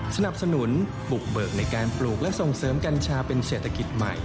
สนับสนุนบุกเบิกในการปลูกและส่งเสริมกัญชาเป็นเศรษฐกิจใหม่